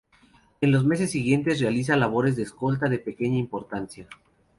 En los meses siguientes realiza labores de escolta de pequeña importancia.